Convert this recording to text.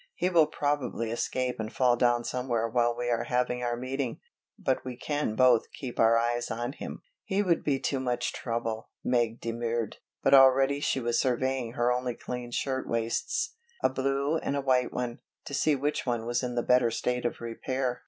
He will probably escape and fall down somewhere while we are having our meeting, but we can both keep our eyes on him." "He would be too much trouble," Meg demurred, but already she was surveying her only clean shirt waists, a blue and a white one, to see which was in the better state of repair.